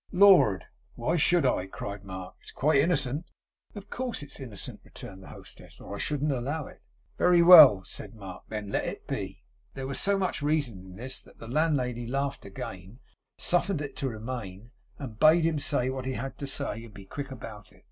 'Lord, why should I!' cried Mark. 'It's quite innocent.' 'Of course it's innocent,' returned the hostess, 'or I shouldn't allow it.' 'Very well!' said Mark. 'Then let it be.' There was so much reason in this that the landlady laughed again, suffered it to remain, and bade him say what he had to say, and be quick about it.